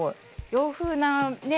洋風なね